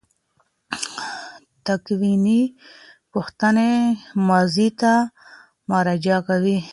تکویني پوښتنې ماضي ته مراجعه کوي.